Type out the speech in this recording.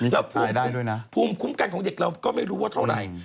แล้วภูมิคุ้มกันของเด็กเราก็ไม่รู้ว่าเท่าไหร่